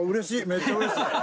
めっちゃ嬉しい！